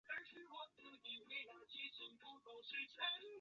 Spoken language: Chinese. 坚硬野芝麻为唇形科野芝麻属下的一个变种。